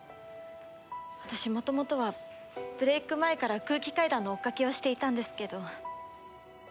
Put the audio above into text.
私元々はブレーク前から空気階段の追っかけをしていたんですけど。